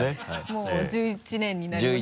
もう１１年になりましたね。